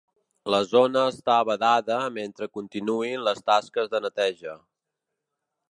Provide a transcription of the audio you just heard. La zona està vedada mentre continuïn les tasques de neteja.